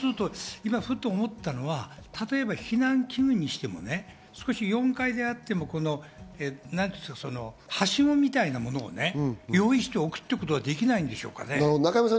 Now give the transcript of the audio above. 今、ふと思ったのが例えば避難器具にしても４階であってもはしごみたいなものを用意しておくってことができないんでしょうかね？